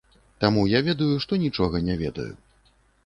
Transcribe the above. Таму я ведаю, што нічога не ведаю.